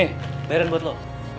nih bayaran buat lu